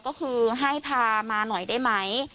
ก็คือให้พามาหน่อยได้ไหม